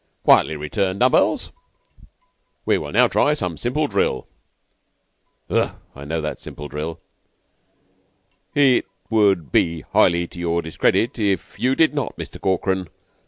Quietly return dumb bells. We will now try some simple drill." "Ugh! I know that simple drill." "It would he 'ighly to your discredit if you did not, Muster Corkran.